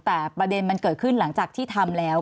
แต่ประเด็นมันเกิดขึ้นหลังจากที่ทำแล้ว